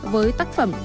với tác phẩm